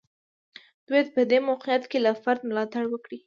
دوی باید په دې موقعیت کې له فرد ملاتړ وکړي.